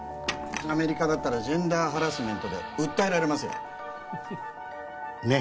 アメリカだったらジェンダー・ハラスメントで訴えられますよね